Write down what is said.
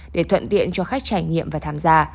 để thuận tiện cho khách trải nghiệm và tham gia